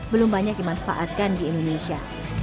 belum banyak dimanfaatkan di indonesia